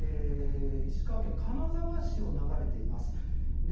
石川県金沢市を流れています。